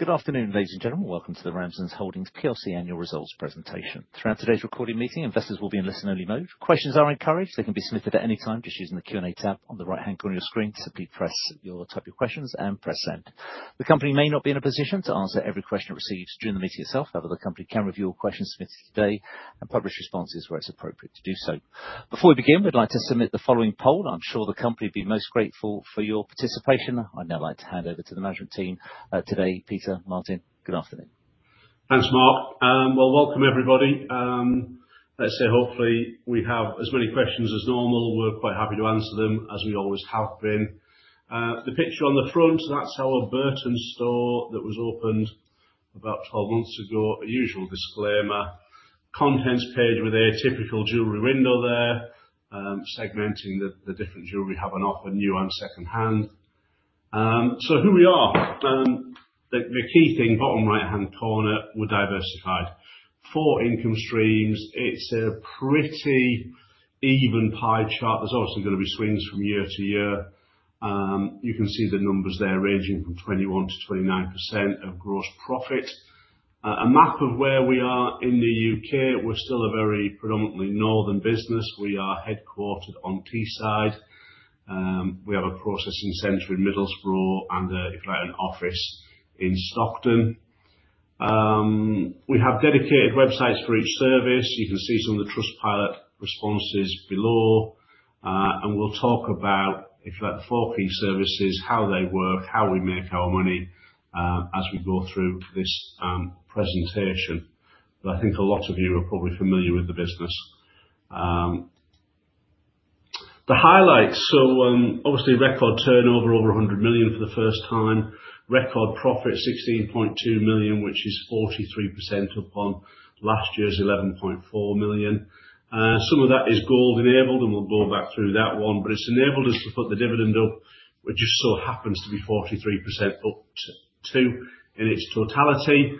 Good afternoon, ladies and gentlemen. Welcome to the Ramsdens Holdings PLC annual results presentation. Throughout today's recorded meeting, investors will be in listen-only mode. Questions are encouraged. They can be submitted at any time just using the Q&A tab on the right-hand corner of your screen. Simply type your questions and press Send. The company may not be in a position to answer every question received during the meeting itself. However, the company can review all questions submitted today and publish responses where it's appropriate to do so. Before we begin, we'd like to submit the following poll. I'm sure the company will be most grateful for your participation. I'd now like to hand over to the management team, today, Peter, Martin, good afternoon. Thanks, Mark. Well, welcome everybody. Let's say hopefully we have as many questions as normal. We're quite happy to answer them as we always have been. The picture on the front, that's our Burton store that was opened about 12 months ago. The usual disclaimer, contents page with a typical jewelry window there, segmenting the different jewelry we have on offer, new and secondhand. So who we are. The key thing, bottom right-hand corner, we're diversified. Four income streams, it's a pretty even pie chart. There's obviously gonna be swings from year to year. You can see the numbers there ranging from 21%-29% of gross profit. A map of where we are in the U.K. We're still a very predominantly northern business. We are headquartered on Teesside. We have a processing center in Middlesbrough and, if you like, an office in Stockton. We have dedicated websites for each service. You can see some of the Trustpilot responses below. We'll talk about, if you like, the four key services, how they work, how we make our money, as we go through this presentation. I think a lot of you are probably familiar with the business. The highlights. Obviously record turnover over 100 million for the first time. Record profit 16.2 million, which is 43% up on last year's 11.4 million. Some of that is gold-enabled, and we'll go back through that one, but it's enabled us to put the dividend up, which just so happens to be 43% up to, in its totality.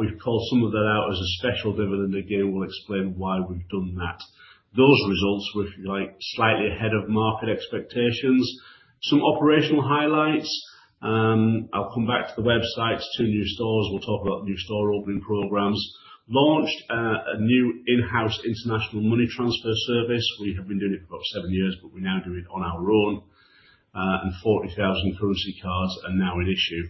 We've pulled some of that out as a special dividend. Again, we'll explain why we've done that. Those results were, if you like, slightly ahead of market expectations. Some operational highlights. I'll come back to the websites. Two new stores. We'll talk about new store opening programs. Launched a new in-house international money transfer service. We have been doing it for about seven years, but we now do it on our own. 40,000 currency cards are now in issue.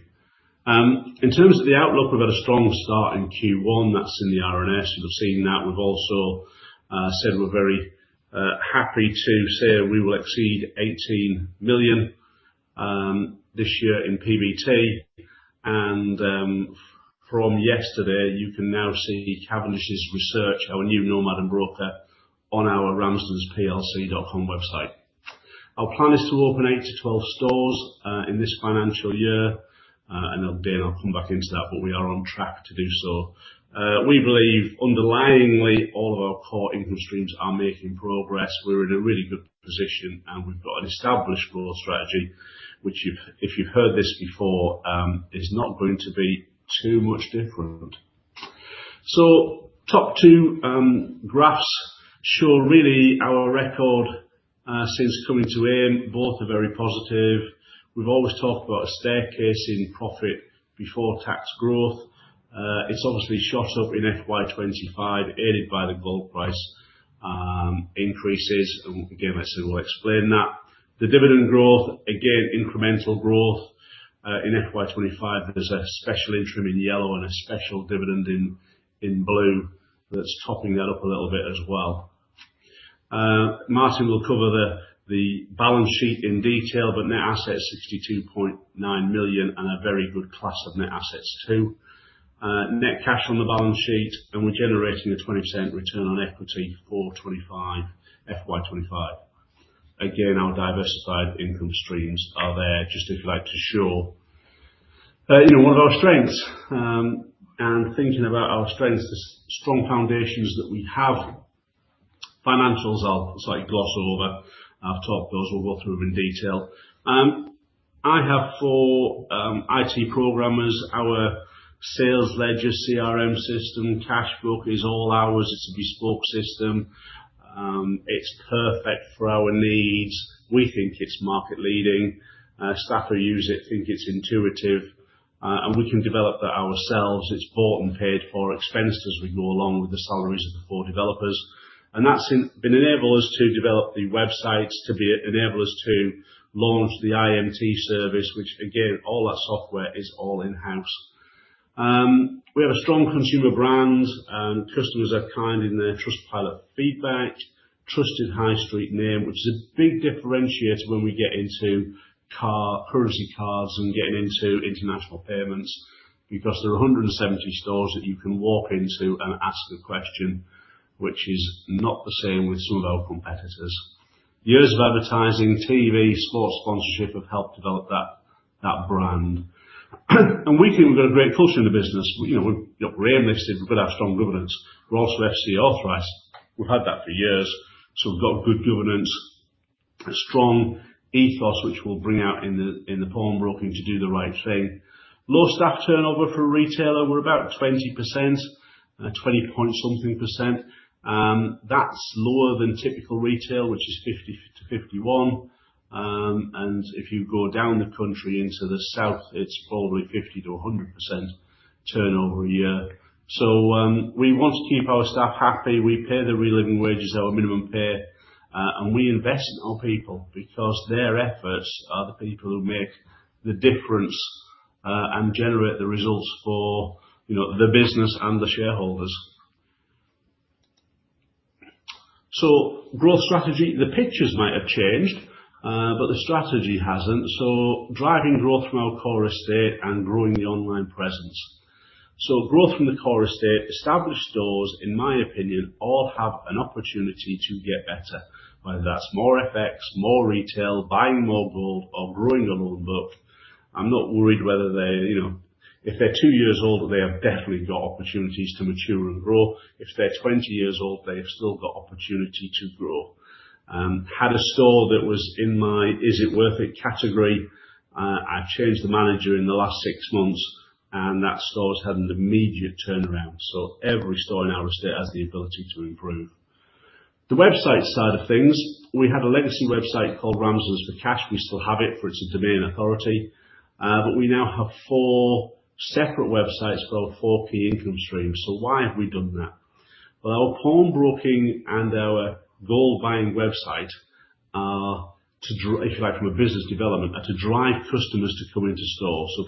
In terms of the outlook, we've had a strong start in Q1. That's in the RNS. You'll have seen that. We've also said we're very happy to say we will exceed 18 million this year in PBT. From yesterday, you can now see Cavendish's research, our new Nomad and broker, on our ramsdensplc.com website. Our plan is to open 8-12 stores in this financial year. Again, I'll come back into that, but we are on track to do so. We believe underlyingly all of our core income streams are making progress. We're in a really good position, and we've got an established growth strategy, which if you've heard this before is not going to be too much different. Top two graphs show really our record since coming to AIM. Both are very positive. We've always talked about a staircase in profit before tax growth. It's obviously shot up in FY 2025, aided by the gold price increases. Again, as I said, we'll explain that. The dividend growth, again, incremental growth. In FY 2025, there's a special interim in yellow and a special dividend in blue that's topping that up a little bit as well. Martin will cover the balance sheet in detail, but net assets 62.9 million and a very good class of net assets too. Net cash on the balance sheet, and we're generating a 20% return on equity for FY 2025. Again, our diversified income streams are there just if you like to show you know one of our strengths. Thinking about our strengths, the strong foundations that we have. Financials I'll slightly gloss over. I've talked those. We'll go through them in detail. I have four IT programmers. Our sales ledger CRM system, cash book is all ours. It's a bespoke system. It's perfect for our needs. We think it's market leading. Staff who use it think it's intuitive. We can develop that ourselves. It's bought and paid for, expensed as we go along with the salaries of the four developers. That's been enablers to develop the websites, to be enablers to launch the IMT service, which again, all that software is all in-house. We have a strong consumer brand. Customers are kind in their Trustpilot feedback. Trusted high street name, which is a big differentiator when we get into currency cards and getting into international payments because there are 170 stores that you can walk into and ask the question which is not the same with some of our competitors. Years of advertising, TV, sports sponsorship have helped develop that brand. We think we've got a great culture in the business. You know, we're AIM listed, we've got to have strong governance. We're also FCA authorized. We've had that for years, so we've got good governance, a strong ethos, which we'll bring out in the pawnbroking to do the right thing. Low staff turnover for a retailer. We're about 20%, 20-point-something%. That's lower than typical retail, which is 50%-51%. If you go down the country into the south, it's probably 50%-100% turnover a year. We want to keep our staff happy. We pay the real living wages, our minimum pay, and we invest in our people because their efforts are the people who make the difference and generate the results for, you know, the business and the shareholders. Growth strategy, the pictures might have changed, but the strategy hasn't. Driving growth from our core estate and growing the online presence. Growth from the core estate established stores, in my opinion, all have an opportunity to get better, whether that's more FX, more retail, buying more gold or growing a loan book. I'm not worried whether they're, you know, if they're two years old, they have definitely got opportunities to mature and grow. If they're 20 years old, they've still got opportunity to grow. Had a store that was in my, is it worth it category? I've changed the manager in the last six months, and that store's had an immediate turnaround. Every store in our estate has the ability to improve. The website side of things, we had a legacy website called Ramsdens For Cash. We still have it for its domain authority. We now have four separate websites for our four key income streams. Why have we done that? Our pawnbroking and our gold buying website are to drive customers to come into store, if you like from a business development.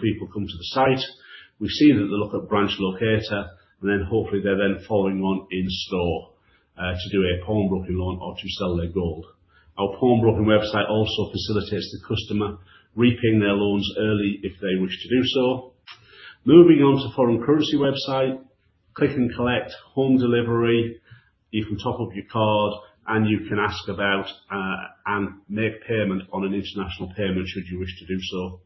People come to the site, we see that they look at branch locator, and then hopefully they're then following on in store to do a pawnbroking loan or to sell their gold. Our pawnbroking website also facilitates the customer repaying their loans early if they wish to do so. Moving on to foreign currency website, click and collect, home delivery. You can top up your card, and you can ask about and make payment on an international payment should you wish to do so.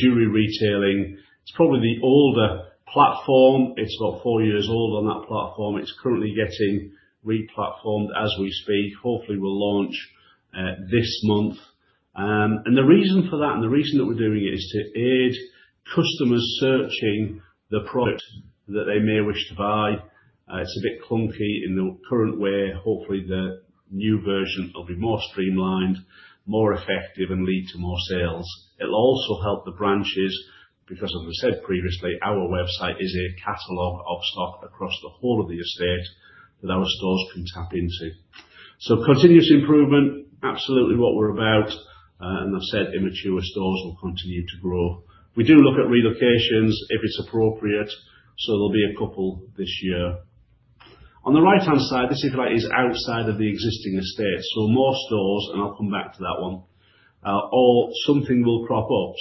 Jewelry retailing, it's probably the older platform. It's about four years old on that platform. It's currently getting re-platformed as we speak. Hopefully, we'll launch this month. The reason for that, and the reason that we're doing it is to aid customers searching the product that they may wish to buy. It's a bit clunky in the current way. Hopefully, the new version will be more streamlined, more effective, and lead to more sales. It'll also help the branches because as we said previously, our website is a catalog of stock across the whole of the estate that our stores can tap into. Continuous improvement, absolutely what we're about. I said immature stores will continue to grow. We do look at relocations if it's appropriate, so there'll be a couple this year. On the right-hand side, this is like is outside of the existing estate. More stores, and I'll come back to that one, or something will crop up.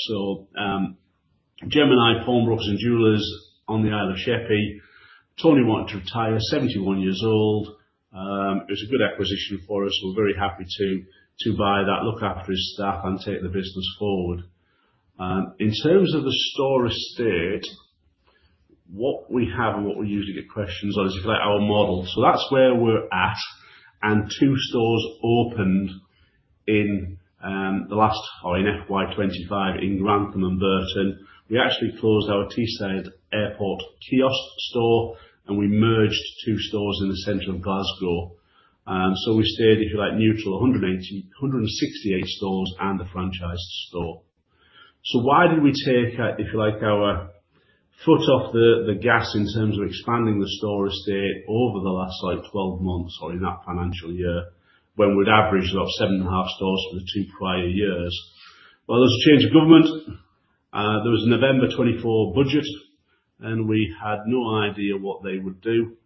Gemini Pawnbrokers and Jewellers on the Isle of Sheppey. Tony wanted to retire, 71 years old. It was a good acquisition for us. We're very happy to buy that, look after his staff and take the business forward. In terms of the store estate, what we have and what we usually get questions on is, if you like, our model. That's where we're at. Two stores opened in the last or in FY 2025 in Grantham and Burton. We actually closed our Teesside Airport kiosk store, and we merged two stores in the center of Glasgow. We stayed, if you like, neutral, 168 stores and the franchised store. Why did we take our, if you like, our foot off the gas in terms of expanding the store estate over the last, like, 12 months or in that financial year when we'd averaged about seven and a half stores for the two prior years? Well, there was a change of government. There was a November 2024 budget, and we had no idea what they would do.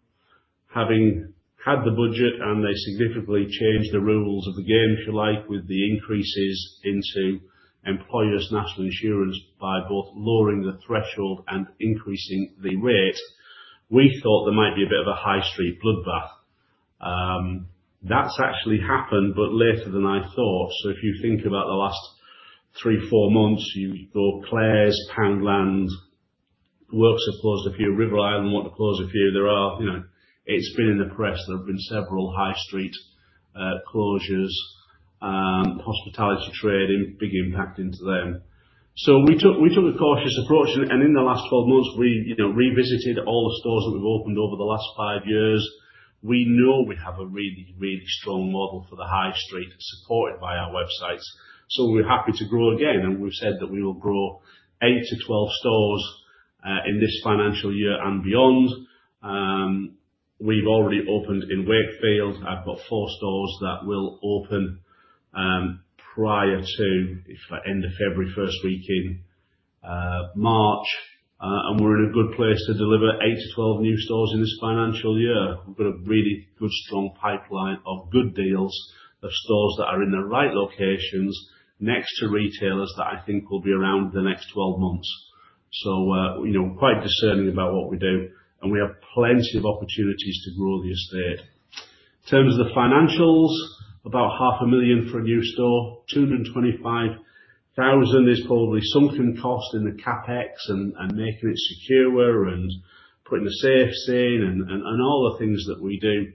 Having had the budget, and they significantly changed the rules of the game, if you like, with the increases in employers' national insurance by both lowering the threshold and increasing the rate, we thought there might be a bit of a high street bloodbath. That's actually happened, but later than I thought. If you think about the last three, four months, you've got Claire's Poundland, The Works have closed a few, River Island want to close a few. There are, you know. It's been in the press. There have been several high street closures, hospitality trade, immense impact on them. We took a cautious approach, and in the last 12 months, we, you know, revisited all the stores that we've opened over the last five years. We know we have a really strong model for the high street supported by our websites, so we're happy to grow again. We've said that we will grow eight to 12 stores in this financial year and beyond. We've already opened in Wakefield. I've got four stores that will open prior to, like, end of February, first week in March. We're in a good place to deliver eight to 12 new stores in this financial year. We've got a really good, strong pipeline of good deals of stores that are in the right locations next to retailers that I think will be around the next 12 months. You know, quite discerning about what we do, and we have plenty of opportunities to grow the estate. In terms of the financials, about 500,000 for a new store, 225,000 is probably sunk cost in the CapEx, and making it secure, and putting the [SaaS] in, and all the things that we do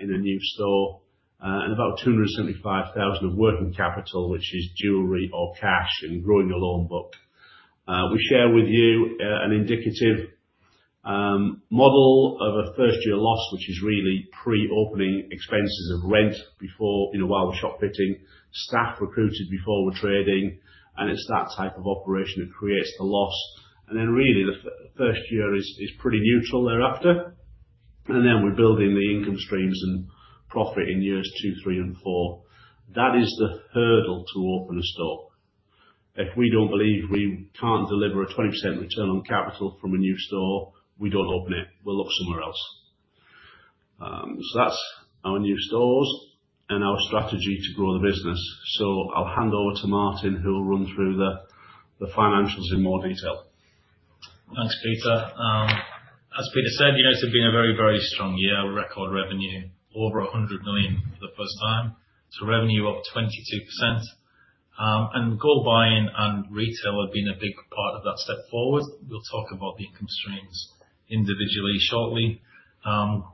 in a new store. About 275,000 of working capital, which is jewelry or cash and growing a loan book. We share with you an indicative model of a first year loss, which is really pre-opening expenses of rent before, you know, while we're shop fitting, staff recruited before we're trading, and it's that type of operation that creates the loss. Really, the first year is pretty neutral thereafter. We're building the income streams and profit in years two, three, and four. That is the hurdle to open a store. If we don't believe we can't deliver a 20% return on capital from a new store, we don't open it. We'll look somewhere else. That's our new stores and our strategy to grow the business. I'll hand over to Martin, who will run through the financials in more detail. Thanks, Peter. As Peter said, the year has been a very, very strong year with record revenue over 100 million for the first time. Revenue up 22%. Gold buying and retail have been a big part of that step forward. We'll talk about the income streams individually shortly.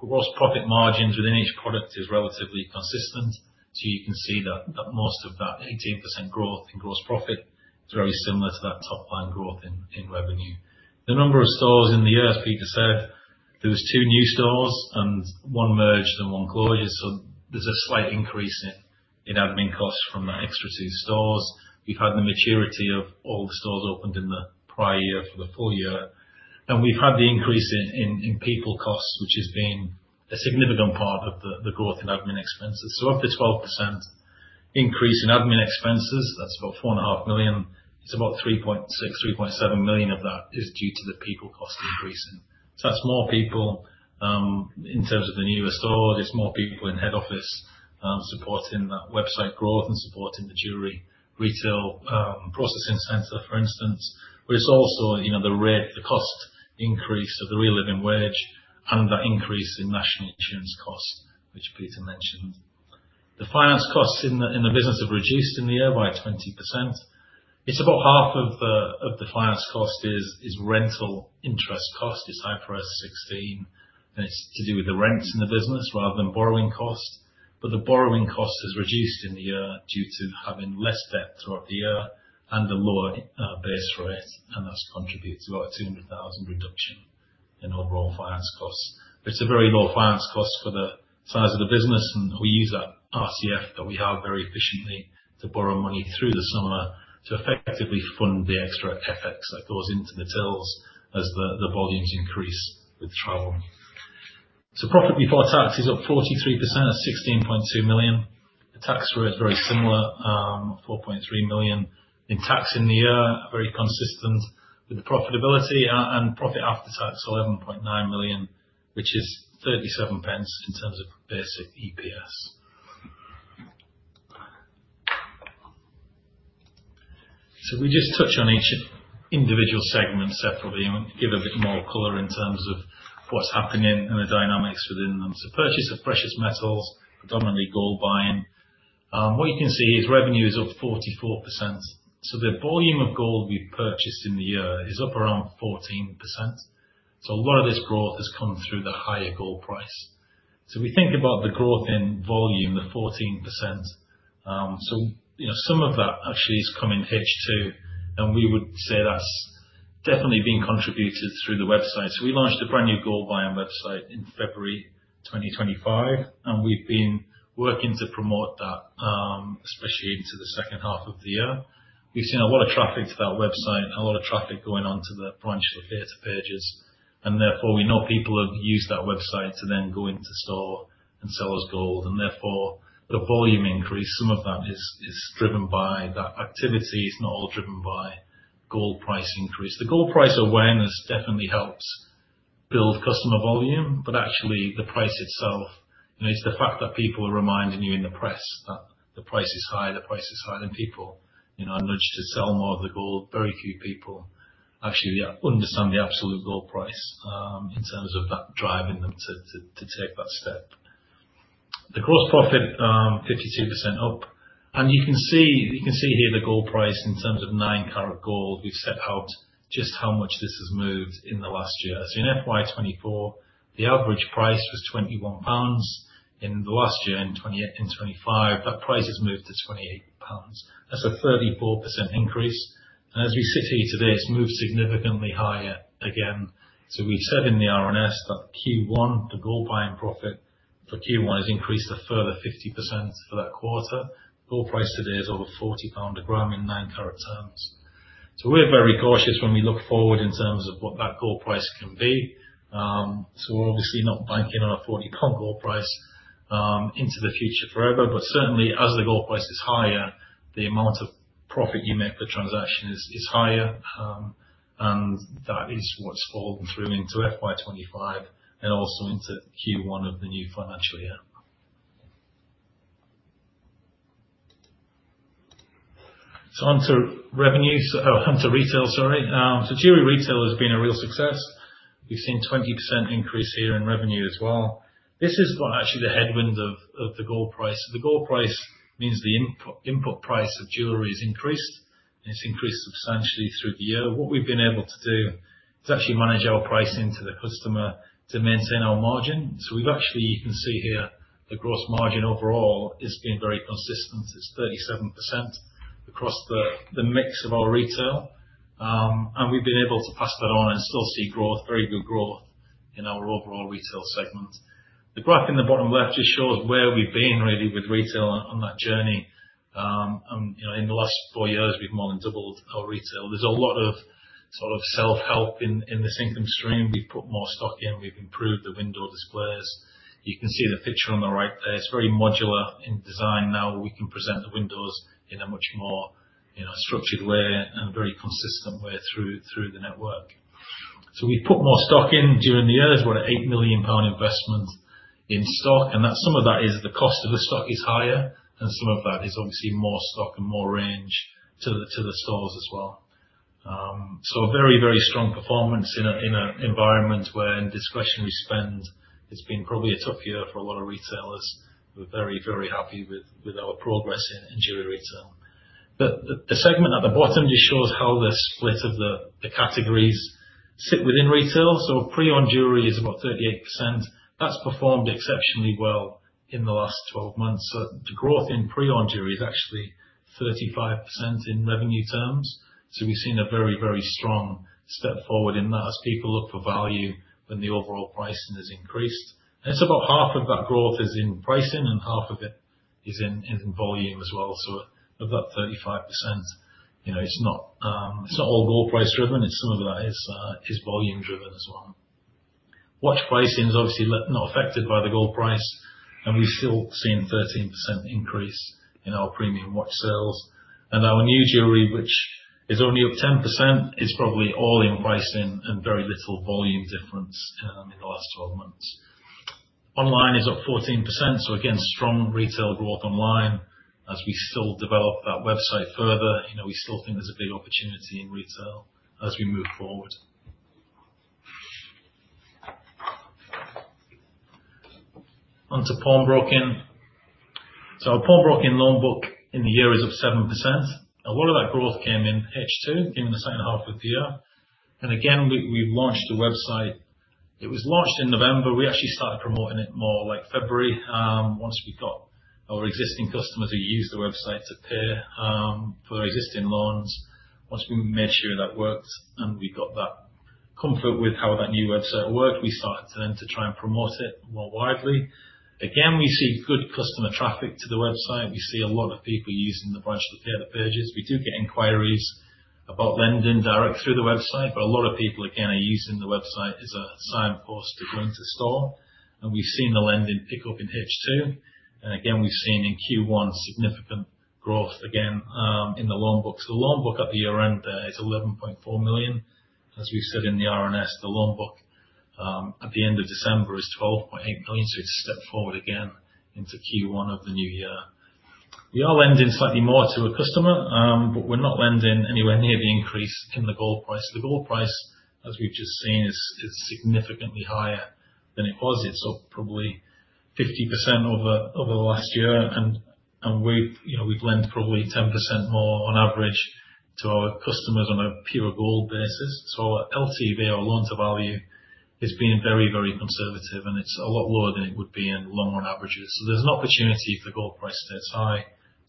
Gross profit margins within each product is relatively consistent. You can see that most of that 18% growth in gross profit is very similar to that top line growth in revenue. The number of stores in the year, as Peter said, there was two new stores and one merged and one closure. There's a slight increase in admin costs from that extra two stores. We've had the maturity of all the stores opened in the prior year for the full year, and we've had the increase in people costs, which has been a significant part of the growth in admin expenses. Up to 12% increase in admin expenses, that's about 4.5 million. It's about 3.6 million-3.7 million of that is due to the people cost increasing. That's more people in terms of the newer stores. It's more people in head office supporting that website growth and supporting the jewelry retail processing center, for instance. But it's also, you know, the cost increase of the real living wage and that increase in national insurance costs, which Peter mentioned. The finance costs in the business have reduced in the year by 20%. It's about half of the finance cost is rental interest cost. It's high for us 16, and it's to do with the rents in the business rather than borrowing costs. The borrowing cost has reduced in the year due to having less debt throughout the year and a lower base rate, and that's contributed to about a 200,000 reduction in overall finance costs. It's a very low finance cost for the size of the business, and we use that RCF that we have very efficiently to borrow money through the summer to effectively fund the extra CapEx that goes into the tills as the volumes increase with travel. Profit before tax is up 43% at 16.2 million. The tax rate, very similar, 4.3 million in tax in the year, very consistent with the profitability. Profit after tax, 11.9 million, which is 0.37 in terms of basic EPS. We just touch on each individual segment separately and give a bit more color in terms of what's happening and the dynamics within them. Purchase of precious metals, predominantly gold buying. What you can see is revenues of 44%. The volume of gold we purchased in the year is up around 14%. A lot of this growth has come through the higher gold price. We think about the growth in volume, the 14%. You know, some of that actually is coming H2, and we would say that's definitely being contributed through the website. We launched a brand new gold buying website in February 2025, and we've been working to promote that, especially into the second half of the year. We've seen a lot of traffic to that website and a lot of traffic going on to the branch locator pages. Therefore, we know people have used that website to then go into store and sell us gold. Therefore, the volume increase, some of that is driven by that activity. It's not all driven by gold price increase. The gold price awareness definitely helps build customer volume, but actually the price itself, and it's the fact that people are reminding you in the press that the price is high, the price is high, and people, you know, are nudged to sell more of the gold. Very few people actually understand the absolute gold price in terms of that driving them to take that step. The gross profit 52% up. You can see here the gold price in terms of nine karat gold. We've set out just how much this has moved in the last year. In FY 2024, the average price was 21 pounds. In the last year, in 2025, that price has moved to 28 pounds. That's a 34% increase. As we sit here today, it's moved significantly higher again. We've said in the RNS that Q1, the gold buying profit for Q1 has increased a further 50% for that quarter. Gold price today is over 40 pound a gram in nine karat terms. We're very cautious when we look forward in terms of what that gold price can be. We're obviously not banking on a 40 pound gold price into the future forever. Certainly, as the gold price is higher, the amount of profit you make per transaction is higher. That is what's fallen through into FY 2025 and also into Q1 of the new financial year. On to revenue. To retail, sorry. Jewelry retail has been a real success. We've seen 20% increase here in revenue as well. This is actually the headwind of the gold price. The gold price means the input price of jewelry has increased, and it's increased substantially through the year. What we've been able to do is actually manage our pricing to the customer to maintain our margin. We've actually, you can see here the gross margin overall has been very consistent. It's 37% across the mix of our retail, and we've been able to pass that on and still see growth, very good growth in our overall retail segment. The graph in the bottom left just shows where we've been really with retail on that journey. You know, in the last four years, we've more than doubled our retail. There's a lot of sort of self-help in this income stream. We've put more stock in, we've improved the window displays. You can see the picture on the right there. It's very modular in design now, where we can present the windows in a much more you know structured way and a very consistent way through the network. We put more stock in during the year. There's about 8 million pound investment in stock, and that some of that is the cost of the stock is higher, and some of that is obviously more stock and more range to the stores as well. A very strong performance in an environment where discretionary spend has been probably a tough year for a lot of retailers. We're very happy with our progress in jewelry retail. The segment at the bottom just shows how the split of the categories sit within retail. Pre-owned jewelry is about 38%. That's performed exceptionally well in the last 12 months. The growth in pre-owned jewelry is actually 35% in revenue terms. We've seen a very strong step forward in that as people look for value when the overall pricing has increased. About half of that growth is in pricing and half of it is in volume as well. Of that 35%, you know, it's not all gold price driven. Some of that is volume driven as well. Watch pricing is obviously not affected by the gold price, and we've still seen 13% increase in our premium watch sales. Our new jewelry, which is only up 10%, is probably all in pricing and very little volume difference in the last 12 months. Online is up 14%, so again, strong retail growth online as we still develop that website further. You know, we still think there's a big opportunity in retail as we move forward. On to pawnbroking. Our pawnbroking loan book in the year is up 7%. A lot of that growth came in H2, came in the second half of the year. Again, we launched the website. It was launched in November. We actually started promoting it more like February, once we got our existing customers who use the website to pay, for their existing loans. Once we made sure that worked and we got that comfort with how that new website worked, we started to try and promote it more widely. Again, we see good customer traffic to the website. We see a lot of people using the branch to pay their purchases. We do get inquiries about lending direct through the website, but a lot of people, again, are using the website as a signpost to go into store. We've seen the lending pick up in H2. Again, we've seen in Q1 significant growth again in the loan book. The loan book at the year-end there is 11.4 million. As we said in the RNS, the loan book at the end of December is 12.8 million. It's stepped forward again into Q1 of the new year. We are lending slightly more to a customer, but we're not lending anywhere near the increase in the gold price. The gold price, as we've just seen, is significantly higher than it was. It's up probably 50% over the last year. We've, you know, lent probably 10% more on average to our customers on a pure gold basis. LTV or loan-to-value is being very, very conservative, and it's a lot lower than it would be in long run averages. There's an opportunity for gold price, if it's high,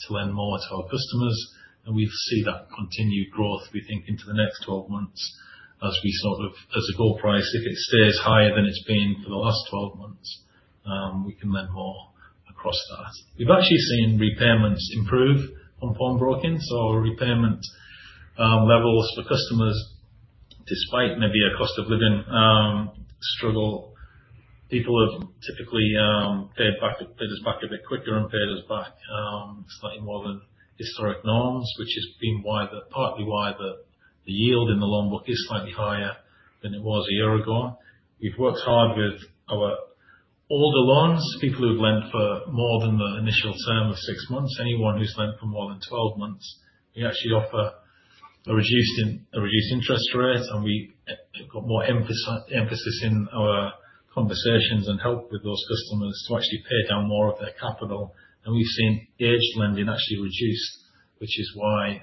to lend more to our customers, and we see that continued growth, we think, into the next 12 months as the gold price, if it stays higher than it's been for the last 12 months, we can lend more across that. We've actually seen repayments improve on pawnbroking, so our repayment levels for customers, despite maybe a cost of living struggle, people have typically paid us back a bit quicker and paid us back slightly more than historic norms, which has been partly why the yield in the loan book is slightly higher than it was a year ago. We've worked hard with our older loans, people who've lent for more than the initial term of six months. Anyone who's lent for more than 12 months, we actually offer a reduced interest rate, and we equate more emphasis in our conversations and help with those customers to actually pay down more of their capital. We've seen the aged lending actually reduce, which is why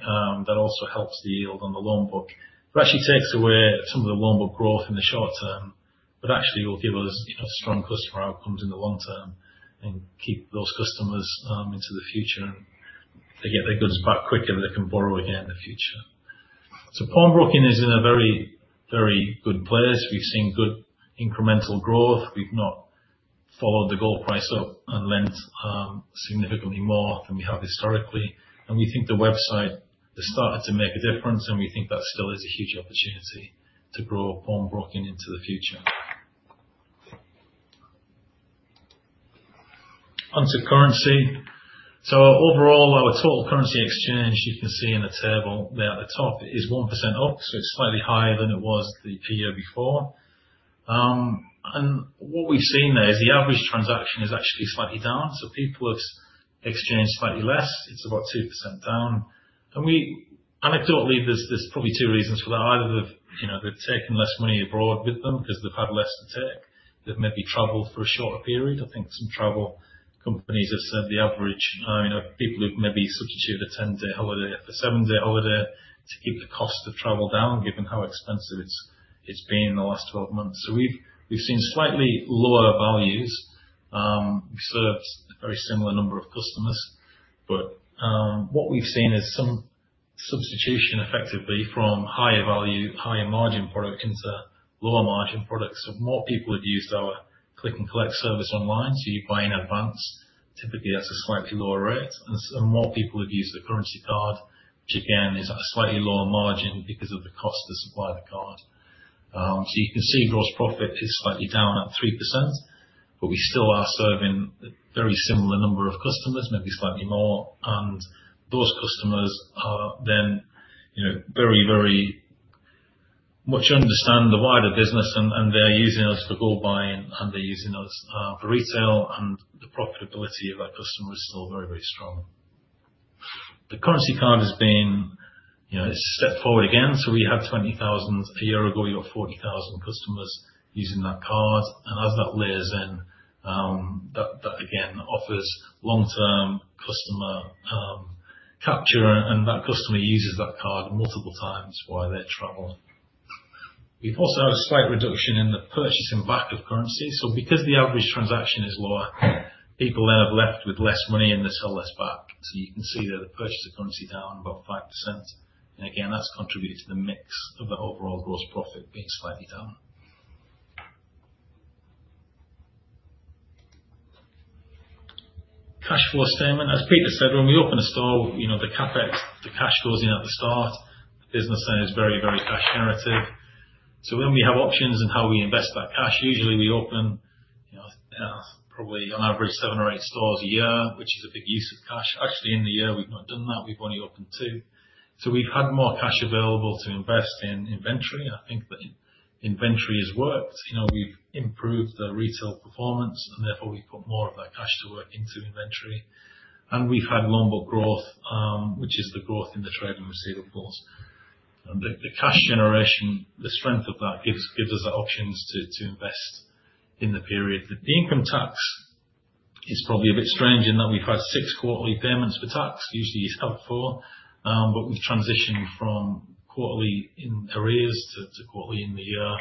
that also helps the yield on the loan book. It actually takes away some of the loan book growth in the short term, but actually it will give us, you know, strong customer outcomes in the long term and keep those customers into the future. They get their goods back quicker, and they can borrow again in the future. Pawnbroking is in a very, very good place. We've seen good incremental growth. We've not followed the gold price up and lent significantly more than we have historically. We think the website has started to make a difference, and we think that still is a huge opportunity to grow pawnbroking into the future. On to currency. Overall, our total currency exchange, you can see in the table there at the top, is 1% up, so it's slightly higher than it was the year before. What we've seen there is the average transaction is actually slightly down, so people have exchanged slightly less. It's about 2% down. Anecdotally, there's probably two reasons for that. Either they've, you know, they've taken less money abroad with them because they've had less to take. They've maybe traveled for a shorter period. I think some travel companies have said the average, you know, people who've maybe substituted a 10-day holiday for a seven-day holiday to keep the cost of travel down, given how expensive it's been in the last 12 months. We've seen slightly lower values. We served a very similar number of customers, but what we've seen is some substitution effectively from higher value, higher margin product into lower margin products. More people have used our click and collect service online, so you buy in advance. Typically, that's a slightly lower rate, and more people have used the currency card, which again, is at a slightly lower margin because of the cost to supply the card. You can see gross profit is slightly down at 3%, but we still are serving a very similar number of customers, maybe slightly more. Those customers are then very, very much understand the wider business and they are using us for gold buying and they're using us for retail and the profitability of our customers is still very, very strong. The currency card has been, it's stepped forward again. We had 20,000 a year ago, we got 40,000 customers using that card. As that layers in, that again offers long-term customer capture, and that customer uses that card multiple times while they're traveling. We've also had a slight reduction in the purchasing back of currency. Because the average transaction is lower, people then have left with less money and they sell less back. You can see that the purchase of currency down about 5%. Again, that's contributed to the mix of the overall gross profit being slightly down. Cash flow statement. As Peter said, when we open a store, you know, the CapEx, the cash goes in at the start. The business then is very, very cash generative. So when we have options in how we invest that cash, usually we open, you know, probably on average seven or eight stores a year, which is a big use of cash. Actually, in the year we've not done that, we've only opened two. So we've had more cash available to invest in inventory. I think the inventory has worked. You know, we've improved the retail performance, and therefore we've put more of that cash to work into inventory. We've had loan book growth, which is the growth in the trade and receivables. Cash generation, the strength of that gives us the options to invest in the period. The income tax is probably a bit strange in that we've had six quarterly payments for tax. Usually, you just have four. We've transitioned from quarterly in arrears to quarterly in the year.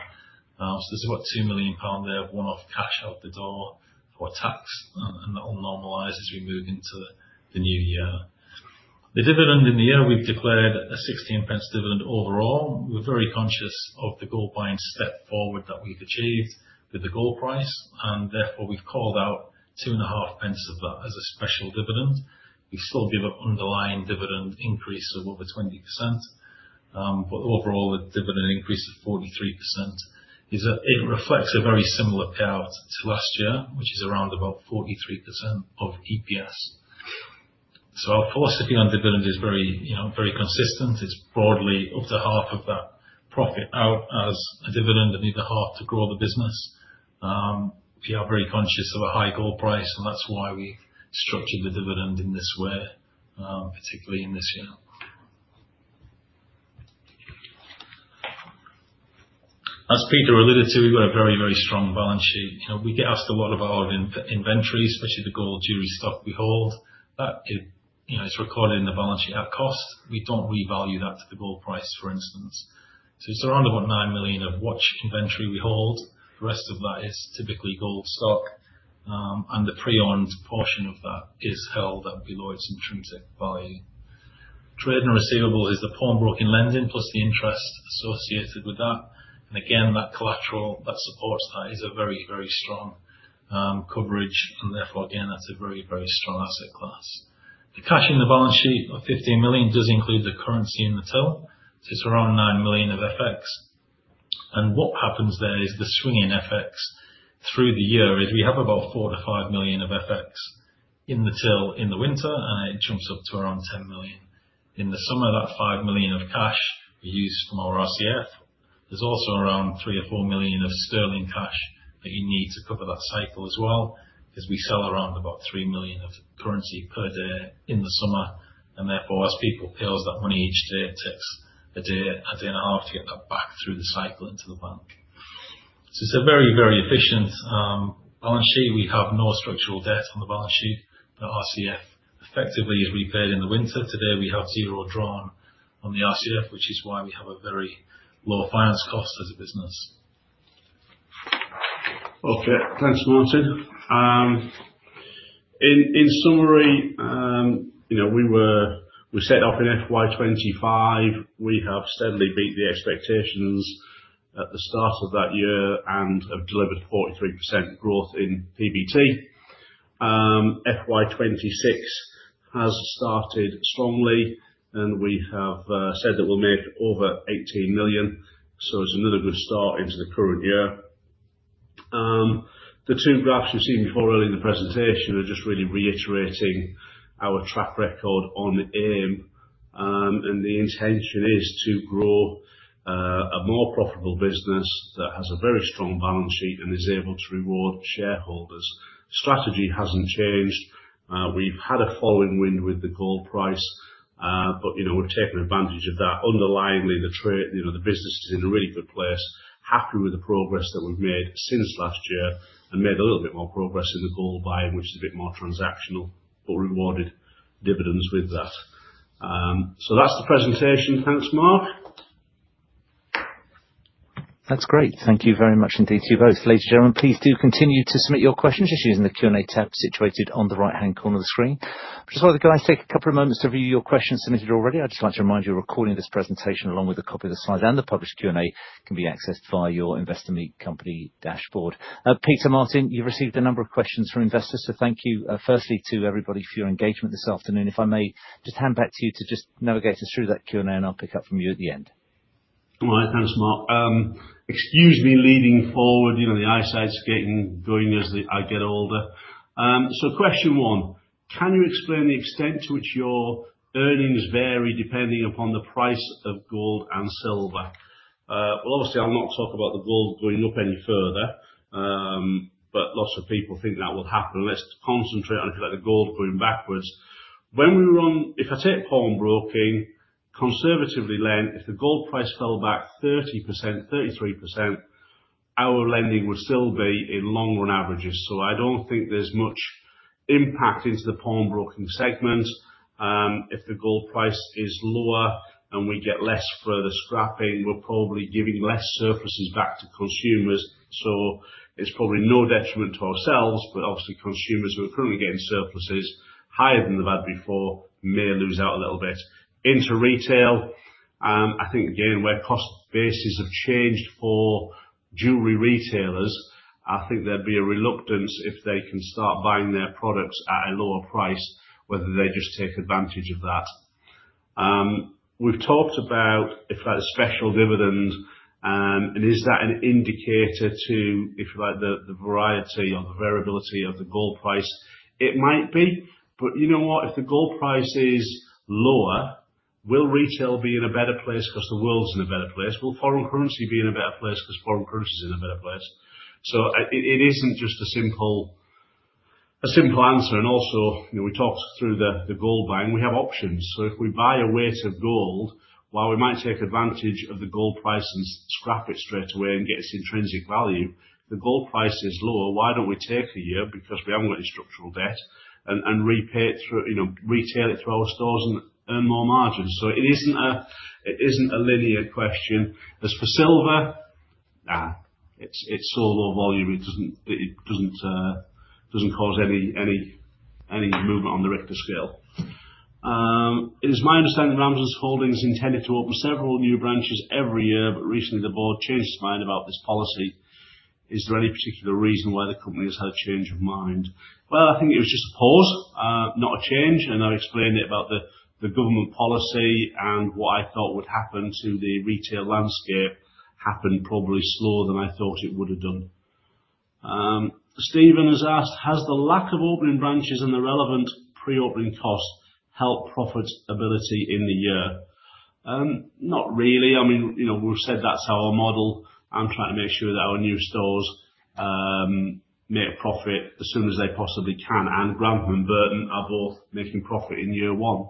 There's about 2 million pound there, one-off cash out the door for tax. That will normalize as we move into the new year. The dividend in the year, we've declared a 0.16 dividend overall. We're very conscious of the gold buying step forward that we've achieved with the gold price, and therefore we've called out 0.025 of that as a special dividend. We still give an underlying dividend increase of over 20%. Overall, the dividend increase of 43% reflects a very similar payout to last year, which is around about 43% of EPS. Our policy on dividend is very, you know, very consistent. It's broadly up to half of that profit out as a dividend and leave the half to grow the business. We are very conscious of a high gold price, and that's why we've structured the dividend in this way, particularly in this year. As Peter alluded to, we've got a very, very strong balance sheet. You know, we get asked a lot about our inventories, especially the gold jewelry stock we hold. That, you know, it's recorded in the balance sheet at cost. We don't revalue that to the gold price, for instance. It's around about 9 million of watch inventory we hold. The rest of that is typically gold stock. The pre-owned portion of that is held at below its intrinsic value. Trade receivables is the pawnbroking lending plus the interest associated with that. Again, that collateral that supports that is a very, very strong coverage and therefore again, that's a very, very strong asset class. The cash in the balance sheet of 15 million does include the currency in the till. It's around 9 million of FX. What happens there is the swing in FX through the year is we have about 4 million-5 million of FX in the till in the winter, and it jumps up to around 10 million. In the summer, that 5 million of cash we use from our RCF. There's also around 3 million or 4 million of sterling cash that you need to cover that cycle as well. 'Cause we sell around about 3 million of currency per day in the summer, and therefore, as people pay us that money each day, it takes a day, a day and a half to get that back through the cycle into the bank. It's a very, very efficient balance sheet. We have no structural debt on the balance sheet. Our RCF effectively is repaid in the winter. Today, we have zero drawn on the RCF, which is why we have a very low finance cost as a business. Okay. Thanks, Martin. In summary, you know, we set off in FY 2025. We have steadily beat the expectations at the start of that year and have delivered 43% growth in PBT. FY 2026 has started strongly, and we have said that we'll make over 18 million, so it's another good start into the current year. The two graphs you've seen before earlier in the presentation are just really reiterating our track record on AIM, and the intention is to grow a more profitable business that has a very strong balance sheet and is able to reward shareholders. Strategy hasn't changed. We've had a following wind with the gold price, but you know, we're taking advantage of that. Underlyingly, the trade, you know, the business is in a really good place. Happy with the progress that we've made since last year and made a little bit more progress in the gold buying, which is a bit more transactional, but rewarded dividends with that. That's the presentation. Thanks, Mark. That's great. Thank you very much indeed to you both. Ladies and gentlemen, please do continue to submit your questions just using the Q&A tab situated on the right-hand corner of the screen. Just while the guys take a couple of moments to review your questions submitted already, I'd just like to remind you a recording of this presentation, along with a copy of the slides and the published Q&A, can be accessed via your Investor Meet Company dashboard. Peter Martin, you've received a number of questions from investors, so thank you, firstly to everybody for your engagement this afternoon. If I may, just hand back to you to just navigate us through that Q&A, and I'll pick up from you at the end. All right. Thanks, Mark. Excuse me leaning forward, you know, the eyesight's getting going as I get older. So question one: Can you explain the extent to which your earnings vary depending upon the price of gold and silver? Well, obviously, I'll not talk about the gold going up any further, but lots of people think that will happen. Let's concentrate on, if you like, the gold going backwards. If I take pawnbroking, conservatively lent, if the gold price fell back 30%, 33%, our lending would still be in long-run averages. So I don't think there's much impact into the pawnbroking segment. If the gold price is lower and we get less for the scrapping, we're probably giving less surpluses back to consumers. So it's probably no detriment to ourselves. Obviously, consumers who are currently getting surpluses higher than they've had before may lose out a little bit. Into retail, I think again, where cost bases have changed for jewelry retailers, I think there'd be a reluctance if they can start buying their products at a lower price, whether they just take advantage of that. We've talked about, if you like, a special dividend, and is that an indicator to, if you like, the variety or the variability of the gold price? It might be, but you know what? If the gold price is lower, will retail be in a better place because the world's in a better place? Will foreign currency be in a better place because foreign currency is in a better place? I, it isn't just a simple answer. Also, you know, we talked through the gold buying, we have options. If we buy a weight of gold, while we might take advantage of the gold price and scrap it straight away and get its intrinsic value, the gold price is lower, why don't we take a year, because we haven't got any structural debt, and repay it through, you know, retail it through our stores and earn more margins? It isn't a linear question. As for silver, nah, it's so low volume, it doesn't cause any movement on the Richter scale. It is my understanding Ramsdens Holdings PLC intended to open several new branches every year, but recently the board changed its mind about this policy. Is there any particular reason why the company has had a change of mind? Well, I think it was just a pause, not a change, and I explained it about the government policy and what I thought would happen to the retail landscape happened probably slower than I thought it would have done. Stephen has asked: Has the lack of opening branches and the relevant pre-opening costs helped profitability in the year? Not really. I mean, you know, we've said that's our model. I'm trying to make sure that our new stores make a profit as soon as they possibly can, and Grantham and Burton are both making profit in year one.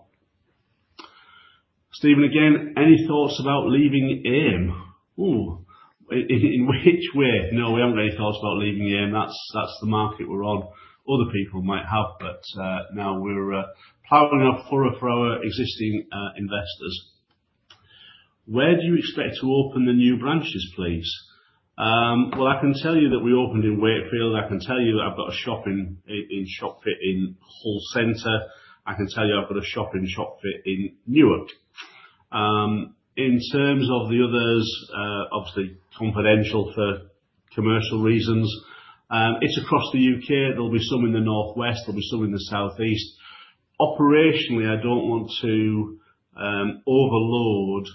Stephen again: Any thoughts about leaving AIM? In which way? No, we haven't really thoughts about leaving AIM. That's the market we're on. Other people might have, but no, we're plowing on for our existing investors. Where do you expect to open the new branches, please? Well, I can tell you that we opened in Wakefield. I can tell you that I've got a shop-in-shop fit in Hull Center. I can tell you I've got a shop-in-shop fit in Newark. In terms of the others, obviously confidential for commercial reasons. It's across the U.K. There'll be some in the northwest, there'll be some in the southeast. Operationally, I don't want to overload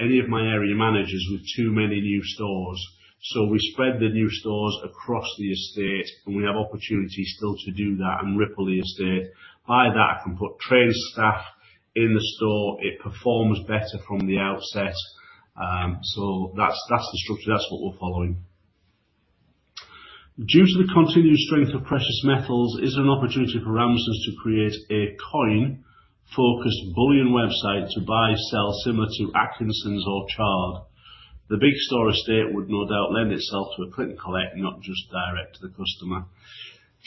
any of my area managers with too many new stores. So we spread the new stores across the estate, and we have opportunities still to do that and ripple the estate. By that, I can put trained staff in the store. It performs better from the outset. So that's the structure. That's what we're following. Due to the continued strength of precious metals, is there an opportunity for Ramsdens to create a coin-focused bullion website to buy, sell, similar to Atkinsons or Chards? The big store estate would no doubt lend itself to a click and collect, not just direct to the customer.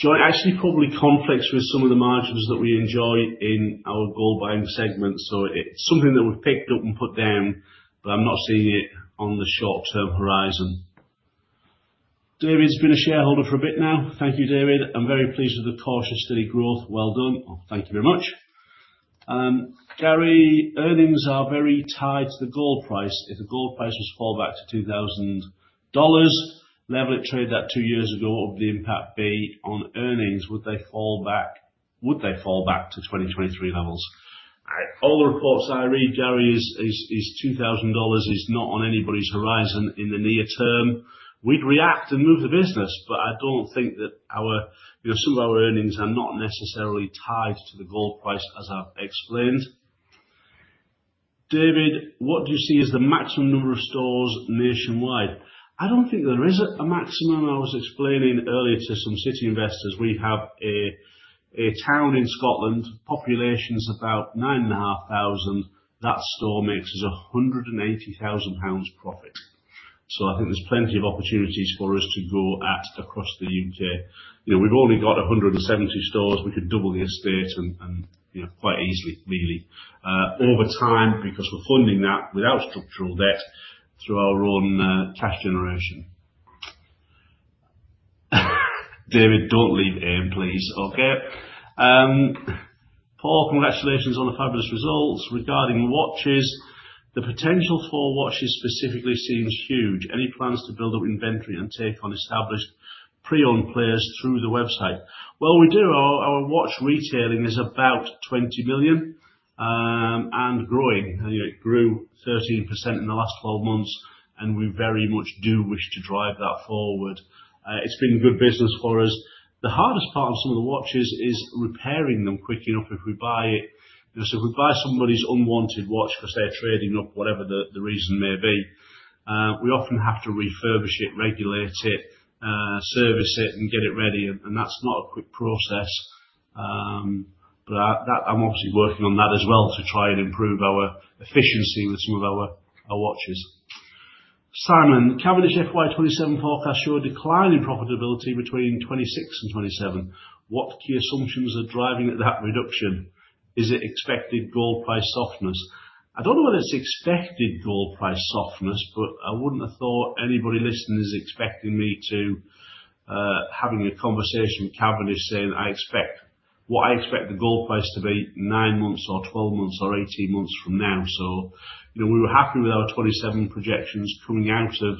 It actually probably conflicts with some of the margins that we enjoy in our gold buying segment. It's something that we've picked up and put down, but I'm not seeing it on the short-term horizon. David's been a shareholder for a bit now. Thank you, David. I'm very pleased with the cautious steady growth. Well done. Well, thank you very much. Gary: Earnings are very tied to the gold price. If the gold prices fall back to $2000, level it traded at two years ago, what would the impact be on earnings? Would they fall back to 2023 levels? All the reports I read, Gary, is $2,000 is not on anybody's horizon in the near term. We'd react and move the business, but I don't think that our, you know, some of our earnings are not necessarily tied to the gold price, as I've explained. What do you see as the maximum number of stores nationwide? I don't think there is a maximum. I was explaining earlier to some city investors, we have a town in Scotland, population's about 9,500. That store makes us 180,000 pounds profit. I think there's plenty of opportunities for us to go at across the U.K. You know, we've only got 170 stores. We could double the estate. You know, quite easily really, over time because we're funding that without structural debt through our own cash generation. David, don't leave AIM, please. Okay. Paul, congratulations on the fabulous results. Regarding watches, the potential for watches specifically seems huge. Any plans to build up inventory and take on established pre-owned players through the website? Well, we do. Our watch retailing is about 20 million and growing. You know, it grew 13% in the last twelve months, and we very much do wish to drive that forward. It's been a good business for us. The hardest part of some of the watches is repairing them quick enough if we buy... You know, if we buy somebody's unwanted watch 'cause they're trading up, whatever the reason may be, we often have to refurbish it, regulate it, service it, and get it ready, and that's not a quick process. I'm obviously working on that as well to try and improve our efficiency with some of our watches. Simon: Cavendish FY 2027 forecast show a decline in profitability between 2026 and 2027. What key assumptions are driving that reduction? Is it expected gold price softness? I don't know whether it's expected gold price softness, but I wouldn't have thought anybody listening is expecting me to having a conversation with Cavendish saying, I expect what I expect the gold price to be nine months or 12 months or 18 months from now. You know, we were happy with our 2027 projections coming out of,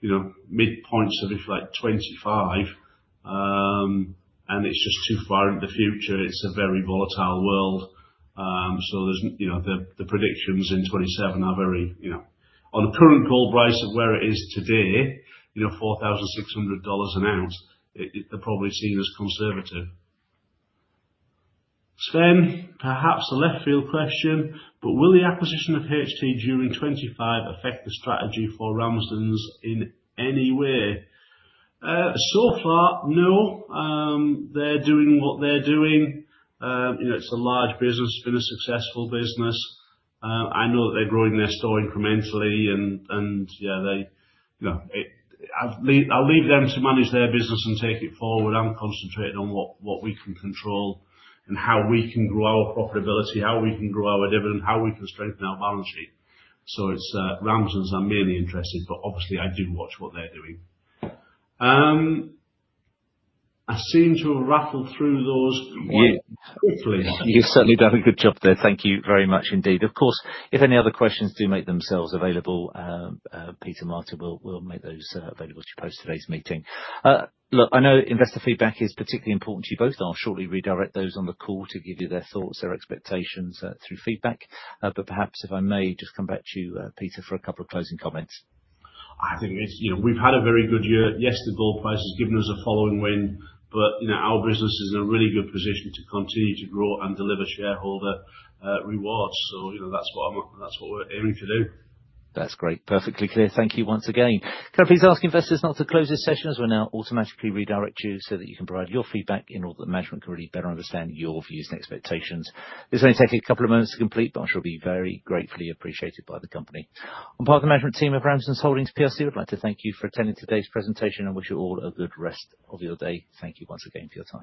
you know, mid-points of if you like 2025, and it's just too far into the future. It's a very volatile world. There's, you know, the predictions in 2027 are very, you know. On the current gold price of where it is today, you know, $4,600 an ounce, it, they're probably seen as conservative. Sven: Perhaps a left field question, but will the acquisition of H&T during 2025 affect the strategy for Ramsdens in any way? So far, no. They're doing what they're doing. You know, it's a large business. It's been a successful business. I know that they're growing their store incrementally and, yeah, they, you know, it. I'll leave them to manage their business and take it forward. I'm concentrating on what we can control and how we can grow our profitability, how we can grow our dividend, how we can strengthen our balance sheet. It's Ramsdens I'm mainly interested, but obviously I do watch what they're doing. I seem to have rattled through those quite- Yeah. Hopefully. You've certainly done a good job there. Thank you very much indeed. Of course, if any other questions do make themselves available, Peter and Martin, we'll make those available to you post today's meeting. Look, I know investor feedback is particularly important to you both. I'll shortly redirect those on the call to give you their thoughts, their expectations, through feedback. Perhaps if I may just come back to you, Peter, for a couple of closing comments. I think it's, you know, we've had a very good year. Yes, the gold price has given us a following wind, but, you know, our business is in a really good position to continue to grow and deliver shareholder rewards. You know, that's what we're aiming to do. That's great. Perfectly clear. Thank you once again. Can I please ask investors not to close this session as we'll now automatically redirect you so that you can provide your feedback in order that management can really better understand your views and expectations? This will only take you a couple of moments to complete, but I'm sure it'll be very gratefully appreciated by the company. On behalf of the management team of Ramsdens Holdings PLC, we'd like to thank you for attending today's presentation and wish you all a good rest of your day. Thank you once again for your time.